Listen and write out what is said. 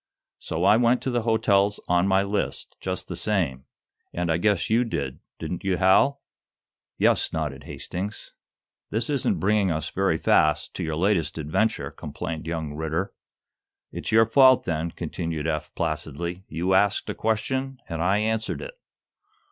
So I went to the hotels on my list, just the same, and I guess you did, didn't you, Hal?" "Yes," nodded Hastings. "This isn't bringing us, very fast, to your latest adventure," complained young Ridder. "It's your fault, then," continued Eph, placidly. "You asked a question, and I answered it."